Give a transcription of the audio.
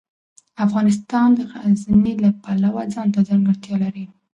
افغانستان د غزني د پلوه ځانته ځانګړتیا لري.